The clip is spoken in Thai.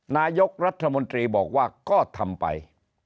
นายกรัฐมนตรีบอกว่าก็ทำไป